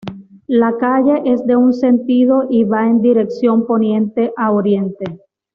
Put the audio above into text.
La calle es de un sentido y va en dirección poniente a oriente.